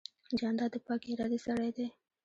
جانداد د پاکې ارادې سړی دی.